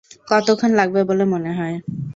কতক্ষণ লাগবে বলে মনে হয়?